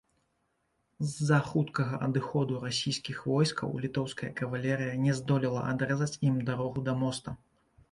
З-за хуткага адыходу расійскіх войскаў літоўская кавалерыя не здолела адрэзаць ім дарогу да моста.